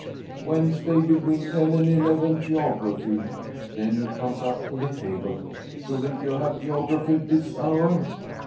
"Wednesday, between ten and eleven, Geography." Then he comes up to the table. "Shouldn't you have geography at this hour?"